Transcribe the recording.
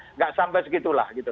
tidak sampai segitu lah